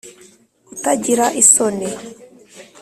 Utagira isoni